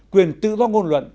quyền tự do ngôn luận